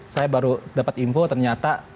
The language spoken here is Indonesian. saya baru dapat info ternyata